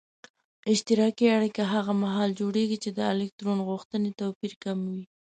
اشتراکي اړیکه هغه محال جوړیږي چې د الکترون غوښتنې توپیر کم وي.